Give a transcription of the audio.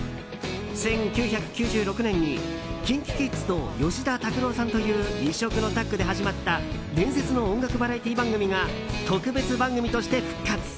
１９９６年にＫｉｎＫｉＫｉｄｓと吉田拓郎さんという異色のタッグで始まった伝説の音楽バラエティー番組が特別番組として復活。